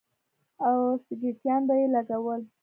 او سگرټيان به يې لگول.